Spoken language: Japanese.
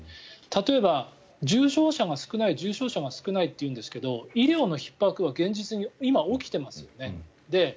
例えば、重症者が少ないって言うんですけど医療のひっ迫は現実に今、起きてますよね。